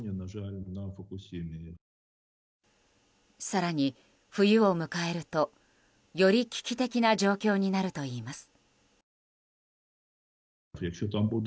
更に、冬を迎えるとより危機的な状況になるといいます。